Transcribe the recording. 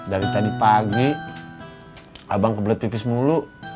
dari tadi pagi abang kebelet tipis mulu